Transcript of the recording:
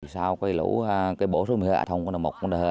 sau quây lũ cái bổ xuống mưa ả thông của đồng một